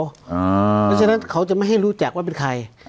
เพราะฉะนั้นเขาจะไม่ให้รู้จักว่าเป็นใคร